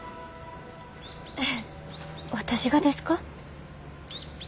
えっ私がですか？